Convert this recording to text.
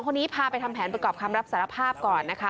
คนนี้พาไปทำแผนประกอบคำรับสารภาพก่อนนะคะ